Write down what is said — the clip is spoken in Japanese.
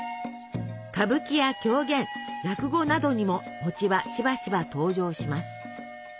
歌舞伎や狂言落語などにも餅はしばしば登場します。